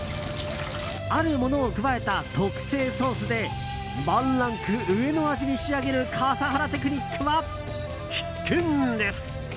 あるものを加えた特製ソースでワンランク上の味に仕上げる笠原テクニックは必見です。